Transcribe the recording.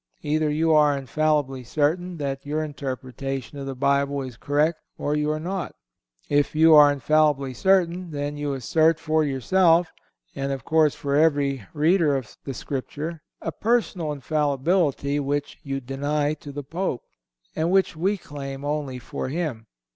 Either you are infallibly certain that your interpretation of the Bible is correct or you are not. If you are infallibly certain, then you assert for yourself, and of course for every reader of the Scripture, a personal infallibility which you deny to the Pope, and which we claim only for him.